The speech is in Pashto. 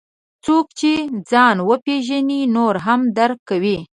څوک چې ځان وپېژني، نور هم درک کوي.